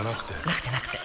なくてなくて